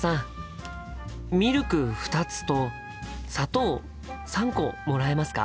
ミルク２つと砂糖３個もらえますか？